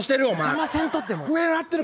邪魔せんとってよ。